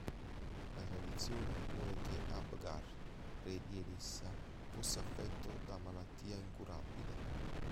La tradizione vuole che Abgar, re di Edessa, fosse affetto da malattia incurabile.